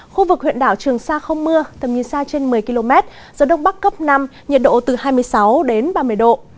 khu vực huyện đảo trường sa không mưa tầm nhìn xa trên một mươi km gió đông bắc cấp năm nhiệt độ từ hai mươi sáu đến ba mươi độ